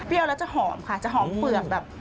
เปรี้ยวแล้วจะหอมค่ะจะหอมเปลือก